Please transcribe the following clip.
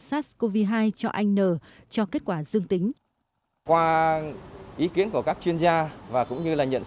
sars cov hai cho anh n cho kết quả dương tính